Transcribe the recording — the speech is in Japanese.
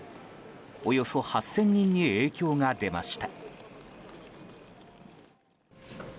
およそ８０００人に影響が出ました。